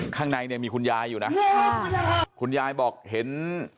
ข้างในเนี่ยมีคุณยายอยู่นะค่ะคุณยายบอกเห็น